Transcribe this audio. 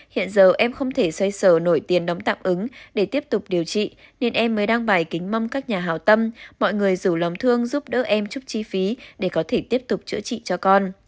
hiện giờ em không thể xoay sờ nổi tiền đóng tạm ứng để tiếp tục điều trị nên em mới đang bài kính mong các nhà hảo tâm mọi người rủ lòng thương giúp đỡ em chút chi phí để có thể tiếp tục chữa trị cho con